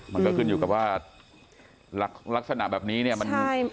มันก็ขึ้นอยู่กับว่าลักษณะแบบนี้เนี่ยมัน